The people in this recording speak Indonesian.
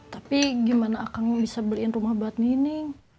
tapi gimana akang bisa beliin rumah buat nini